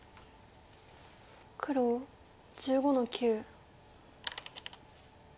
黒１５の九。